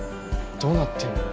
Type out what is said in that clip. どうなってんの？